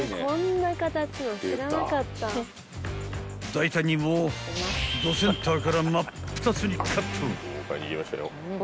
［大胆にもどセンターから真っ二つにカット］